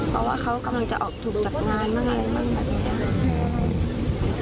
เพราะว่าเขากำลังจะออกถูกจัดงานบ้างอะไรบ้างแบบนี้